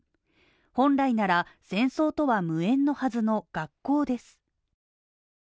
本来なら戦争とは無縁はずの学校です。